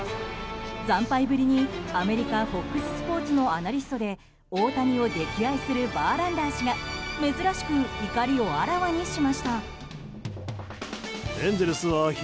惨敗ぶりにアメリカＦＯＸスポーツのアナリストで大谷を溺愛するバーランダー氏が珍しく怒りをあらわにしました。